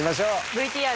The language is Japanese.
ＶＴＲ。